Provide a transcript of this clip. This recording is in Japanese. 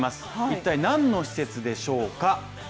一体、何の施設でしょうか？